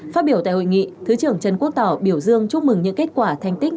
phát biểu tại hội nghị thứ trưởng trần quốc tỏ biểu dương chúc mừng những kết quả thành tích